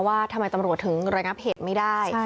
ว่าทำไมตำรวจถึงระงับเหตุไม่ได้